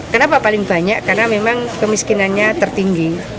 kenapa paling banyak karena memang kemiskinannya tertinggi